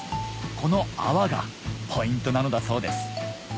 この泡がポイントなのだそうです